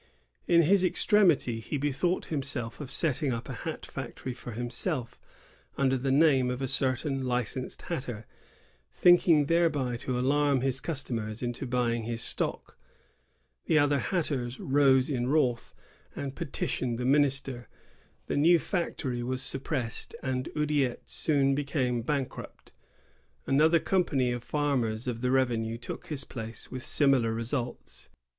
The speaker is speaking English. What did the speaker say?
In his extremity he bethought him of setting up a hat factory for him self, under the name of a certain licensed hatter, thinking thereby to alarm his customers into buying his stock. ^ The other hatters rose in wrath, and ^ M€moire touchant le Commerce du Canada, 1687. 1663 1763.] TROUBLE AND CHANGE. 107 petitioned the minister. The new factory was suppressed, and Oudiette soon became bankrupt. Another company of farmers of the revenue took his place with similar results.